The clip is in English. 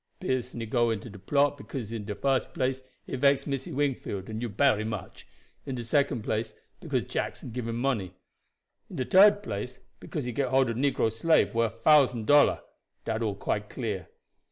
Pearson he go into de plot, because, in de fust place, it vex Missy Wingfield and you bery much; in de second place, because Jackson gib him money; in de third place, because he get hold of negro slave worf a thousand dollar. Dat all quite clear.